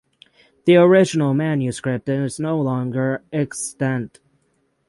The original manuscript is no longer extant.